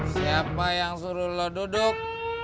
siapa yang suruh lo duduk